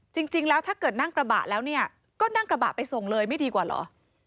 จริงแล้วถ้าเกิดนั่งกระบะแล้วเนี่ยก็นั่งกระบะไปส่งเลยไม่ดีกว่าเหรอ